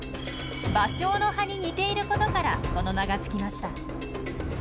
バショウの葉に似ていることからこの名が付きました。